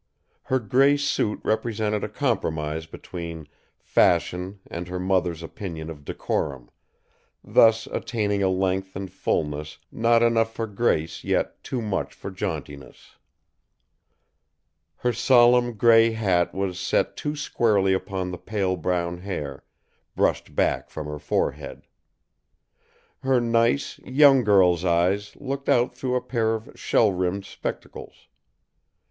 Her gray suit represented a compromise between fashion and her mother's opinion of decorum, thus attaining a length and fulness not enough for grace yet too much for jauntiness. Her solemn gray hat was set too squarely upon the pale brown hair, brushed back from her forehead. Her nice, young girl's eyes looked out through a pair of shell rimmed spectacles.